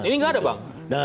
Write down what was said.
ini gak ada bang